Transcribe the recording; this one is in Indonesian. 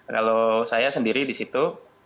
kalau saya sendiri di situ